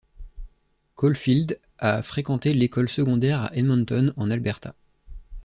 Caulfield a fréquenté l'école secondaire à Edmonton, en Alberta.